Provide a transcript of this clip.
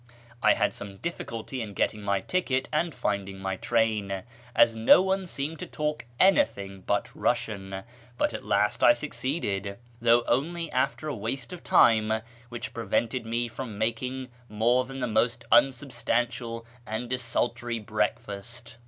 I had some difficulty in getting my ticket and finding my train, as no one seemed to talk anything but Prussian, but at last I succeeded, though only after a waste of time which prevented me from making more than the most unsubstantial and desultory breakfast.